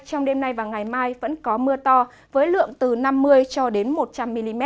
trong đêm nay và ngày mai vẫn có mưa to với lượng từ năm mươi cho đến một trăm linh mm